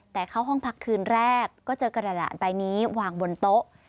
แต่เข้าห้องพักคืนแรกก็เจอกระดาษใบนี้วางบนโต๊ะ